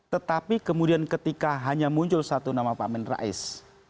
tetapi kemudian ketika hanya muncul satu nama pak amin rais